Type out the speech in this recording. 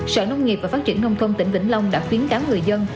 sở nông nghiệp và phát triển nông thôn tỉnh vĩnh long đã khuyến cáo người dân